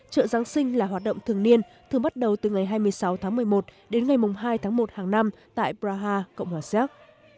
chợ giáng sinh là hoạt động thường niên thường bắt đầu từ ngày hai mươi sáu tháng một mươi một đến ngày hai tháng một hàng năm tại praha cộng hòa xéc